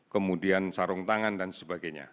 kemudian sarung tangan dan sebagainya